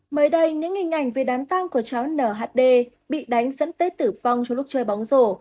mới đây những hình ảnh về đám tang của cháu nhd bị đánh dẫn tết tử vong trong lúc chơi bóng rổ